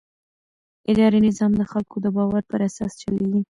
اداري نظام د خلکو د باور پر اساس چلېږي.